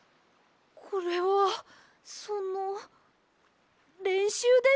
これはそのれんしゅうです。